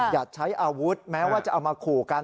อย่าใช้อาวุธแม้ว่าจะเอามาขู่กัน